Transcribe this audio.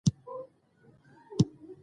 د بانکي خدماتو په اړه عامه پوهاوی ورکول کیږي.